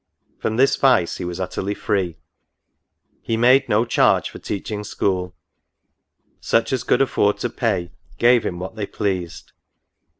— From this vice he was utterly free ; he made no charge for teaching school ; such as could afford to pay, gave him Vhat they pleased.